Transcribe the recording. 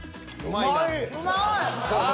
うまい！